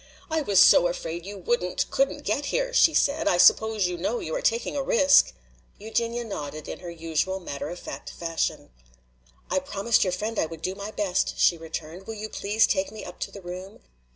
"I was so afraid you wouldn't, couldn't get here," she said. "I suppose you know you are taking a risk." Eugenia nodded in her usual matter of fact fashion. "I promised your friend I would do my best," she returned. "Will you please take me up to the room.